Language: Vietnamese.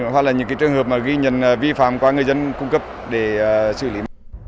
hoặc là những trường hợp ghi nhận vi phạm của người dân cung cấp để xử lý